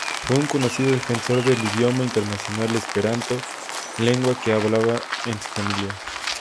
Fue un conocido defensor del idioma internacional esperanto, lengua que hablaba en su familia.